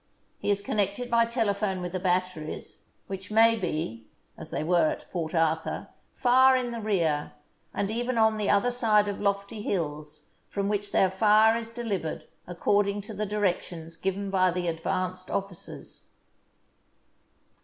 He is connected by telephone with the batteries, which may be (as they were at Port Arthur) far in the rear, and even on the other side of lofty hills from which their fire is deliv ered according to the directions given by the ad vanced officers.